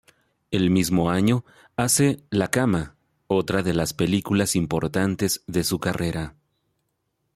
El mismo año hace "La cama", otra de las películas importantes de su carrera.